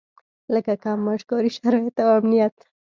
لکه کم معاش، کاري شرايط او امنيت.